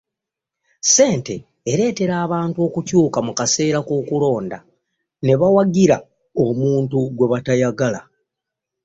Ssente ereetera abantu okukyuka mu kaseera k'okulonda ne bawagira omuntu gwe bataagala.